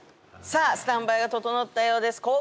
さあスタンバイが整ったようです